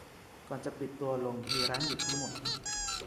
ก่อนจะปิดตัวลงมีร้านอยู่ทั้งหมด